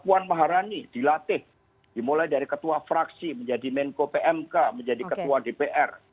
puan maharani dilatih dimulai dari ketua fraksi menjadi menko pmk menjadi ketua dpr